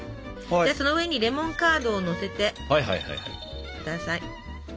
でその上にレモンカードをのせて下さい。